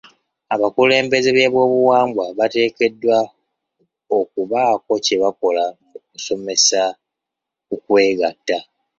Abakulembeze b'ebyobuwangwa bateekeddwa okubaako kye bakola mu kusomesa ku kwegatta.